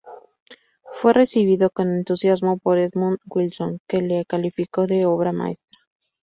Fue recibido con entusiasmo por Edmund Wilson, que la calificó de obra maestra.